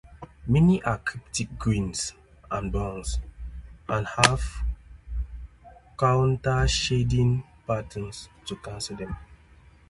Many are cryptic greens and browns, and have countershading patterns to conceal them.